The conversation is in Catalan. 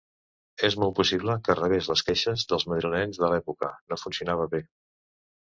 És molt possible que rebés les queixes dels madrilenys de l'època, no funcionava bé.